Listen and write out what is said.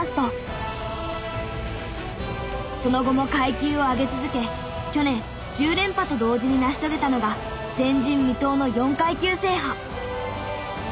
その後も階級を上げ続け去年１０連覇と同時に成し遂げたのが前人未到の４階級制覇。